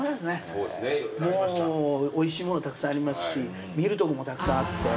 もうおいしいものたくさんありますし見るとこもたくさんあって。